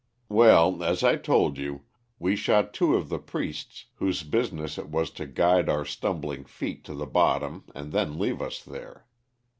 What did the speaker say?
"Well, as I told you, we shot two of the priests whose business it was to guide our stumbling feet to the bottom and then leave us there.